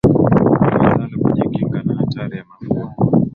awezalo kujikinga na hatari ya mafua